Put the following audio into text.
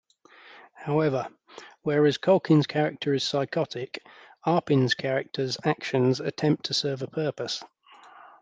However, whereas Culkin's character is psychotic, Arpin's character's actions attempt to serve a purpose.